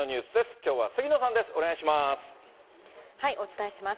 きょうは杉野さんです。